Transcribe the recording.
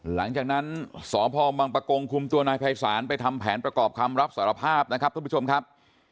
หลังจากนั้นสพบังปะกงคุมตัวนายภัยศาลไปทำแผนประกอบคำรับสารภาพนะครับท่านผู้ชมครับ